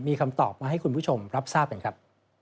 มีคำตอบมาให้คุณผู้ชมรับทราบกันครับ